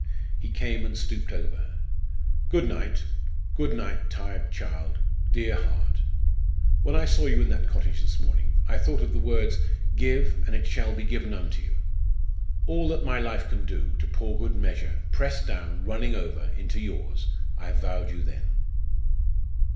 He came and stooped over her. "Good night good night tired child dear heart! When I saw you in that cottage this morning I thought of the words, 'Give, and it shall be given unto you.' All that my life can do to pour good measure, pressed down, running over, into yours, I vowed you then!"